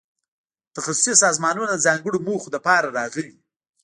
تخصصي سازمانونه د ځانګړو موخو لپاره راغلي.